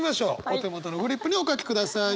お手元のフリップにお書きください。